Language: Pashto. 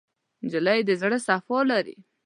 نجلۍ د زړه صفا لري.